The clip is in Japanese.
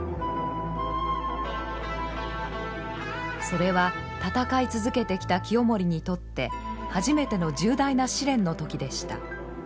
それは戦い続けてきた清盛にとって初めての重大な試練の時でした。